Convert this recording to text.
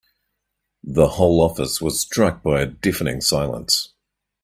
The whole office was struck by a deafening silence.